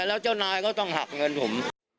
และจะแนนก็ต้องหักเงินผม